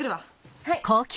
はい！